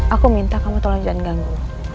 aku minta kamu tolong jangan ganggu